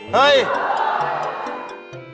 เฮ้ย